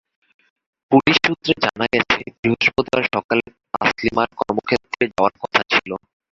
Police সূত্রে জানা গেছে, বৃহস্পতিবার সকালে তাসলিমার কর্মক্ষেত্রে যাওয়ার কথা ছিল।